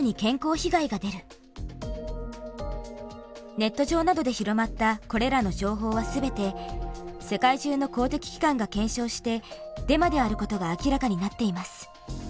ネット上などで広まったこれらの情報は全て世界中の公的機関が検証してデマであることが明らかになっています。